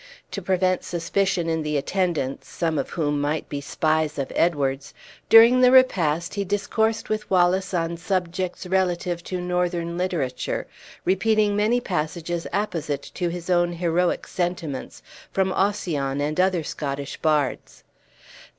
To prevent suspicioin in the attendants (some of whom might be spies of Edward's), during the repast he discoursed with Wallace on subjects relative to northern literature, repeating many passages apposite to his own heroic sentiments, from Ossian and other Scottish bards.